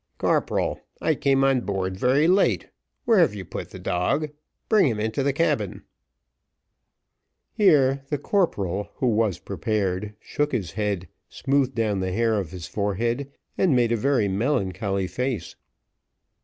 "Corporal, I came on board very late, where have you put the dog? Bring him into the cabin." Here the corporal, who was prepared, shook his head, smoothed down the hair of his forehead, and made a very melancholy face.